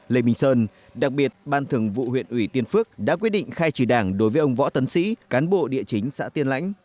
lê minh sơn đặc biệt ban thường vụ huyện ủy tiên phước đã quyết định khai trừ đảng đối với ông võ tấn sĩ cán bộ địa chính xã tiên lãnh